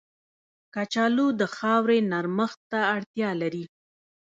کچالو د خاورې نرمښت ته اړتیا لري